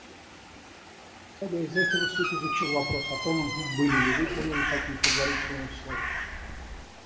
Исходя из этого, Суд изучил вопрос о том, были ли выполнены такие предварительные условия.